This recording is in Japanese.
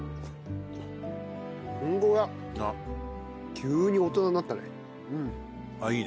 急に大人になったね。